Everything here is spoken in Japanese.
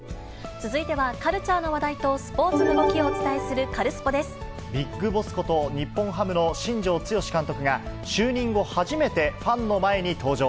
続いては、カルチャーの話題とスポーツの動きをお伝えする、カルスポっ！でビッグボスこと、日本ハムの新庄剛志監督が、就任後初めてファンの前に登場。